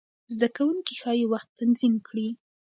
زده کوونکي ښايي وخت تنظیم کړي.